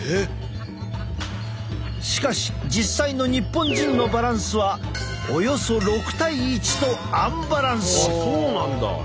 しかし実際の日本人のバランスはおよそ６対１とアンバランス。